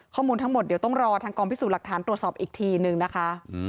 ข้อมูลทั้งหมดเดี๋ยวต้องรอทางกองพิสูจน์หลักฐานตรวจสอบอีกทีนึงนะคะ